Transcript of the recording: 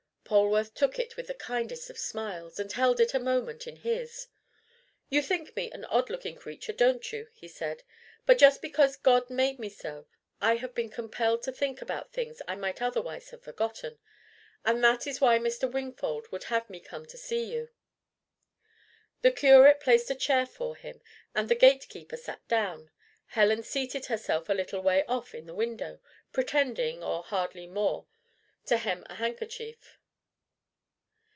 Polwarth took it with the kindest of smiles, and held it a moment in his. "You think me an odd looking creature don't you?" he said; "but just because God made me so, I have been compelled to think about things I might otherwise have forgotten, and that is why Mr. Wingfold would have me come to see you." The curate placed a chair for him, and the gate keeper sat down. Helen seated herself a little way off in the window, pretending, or hardly more, to hem a handkerchief.